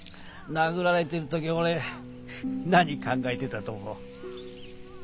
殴られてる時俺何考えてたと思う？